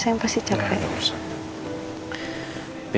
saya pasti capek